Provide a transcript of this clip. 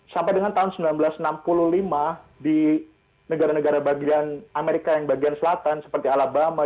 sampai dengan tahun seribu sembilan ratus enam puluh lima di negara negara bagian amerika yang bagian selatan seperti alabama